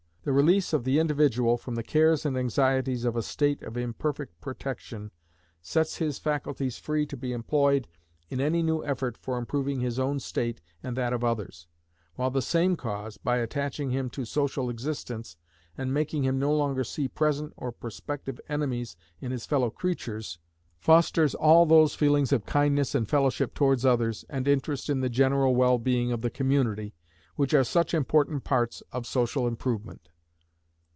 The release of the individual from the cares and anxieties of a state of imperfect protection sets his faculties free to be employed in any new effort for improving his own state and that of others, while the same cause, by attaching him to social existence, and making him no longer see present or prospective enemies in his fellow creatures, fosters all those feelings of kindness and fellowship towards others, and interest in the general well being of the community, which are such important parts of social improvement.